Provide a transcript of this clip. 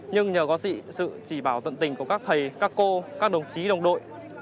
nhưng nhờ có sự chỉ bảo tận tình của các thầy các cô các đồng chí đồng đội